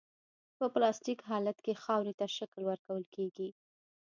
په پلاستیک حالت کې خاورې ته شکل ورکول کیږي